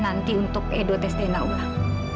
nanti untuk edo tes dana ulang